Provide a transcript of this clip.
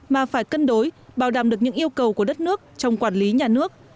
mà phải cân đối bảo đảm được những yêu cầu của đất nước trong quản lý nhà nước